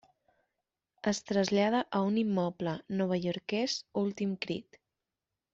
Es trasllada a un immoble novaiorquès últim crit.